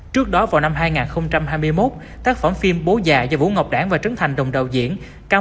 trước đó vào năm hai nghìn hai mươi một tác phẩm phim bố già do vũ ngọc đảng và trấn thành đồng đạo diễn cao